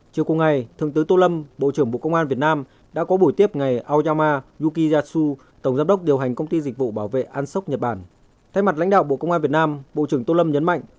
chiều cuối ngày thượng tứ tốt lâm bộ trưởng bộ công an việt nam đã có buổi tiếp ngày aoyama yukiyasu tổng giám đốc điều hành công ty dịch vụ bảo vệ an sóc nhật bản